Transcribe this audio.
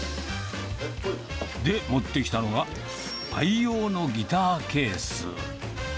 で、持ってきたのが、愛用のギターケース。